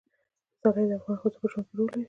پسرلی د افغان ښځو په ژوند کې رول لري.